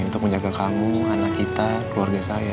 untuk menjaga kamu anak kita keluarga saya